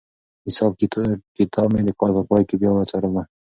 حساب کتاب مې د کال په پای کې بیا وڅارلو.